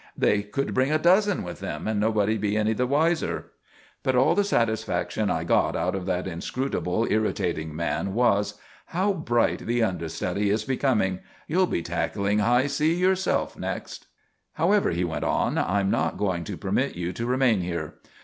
They could bring a dozen with them and nobody be any the wiser." But all the satisfaction I got out of that inscrutable, irritating man was: "How bright the understudy is becoming! You'll be tackling high C yourself next!" "However," he went on, "I'm not going to permit you to remain here.